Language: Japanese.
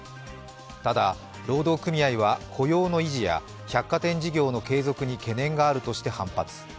ただ労働組合は雇用の維持や百貨店事業の継続に懸念があるとして反発。